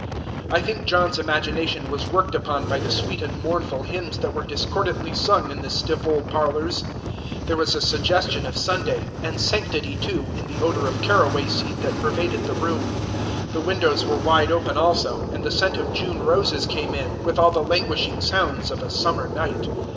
I think John's imagination was worked upon by the sweet and mournful hymns that were discordantly sung in the stiff old parlors. There was a suggestion of Sunday, and sanctity too, in the odor of caraway seed that pervaded the room. The windows were wide open also, and the scent of June roses came in, with all the languishing sounds of a summer night.